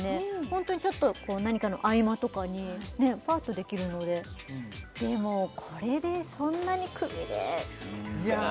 ホントにちょっと何かの合間とかにパッとできるのででもこれでそんなにくびれできるかなあ？